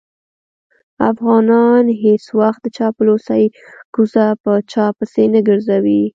افغانان هېڅ وخت د چاپلوسۍ کوزه په چا پسې نه ګرځوي.